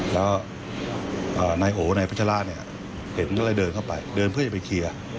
แล้วนายโอนายพัชราชเนี่ยเห็นก็เลยเดินเข้าไปเดินเพื่อจะไปเคลียร์